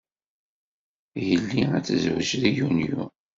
Yelli ad tezwej deg Yunyu.